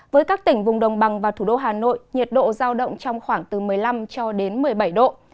với các tỉnh vùng đồng bằng và thủ đô hà nội nhiệt độ giao động trong khoảng từ một mươi năm cho đến một mươi bảy độ